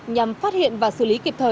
nhằm phát hiện và xử lý kịp thuật